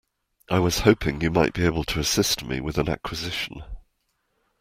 I was hoping you might be able to assist me with an acquisition.